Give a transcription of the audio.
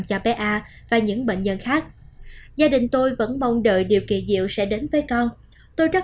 cho bé a và những bệnh nhân khác gia đình tôi vẫn mong đợi điều kỳ diệu sẽ đến với con tôi rất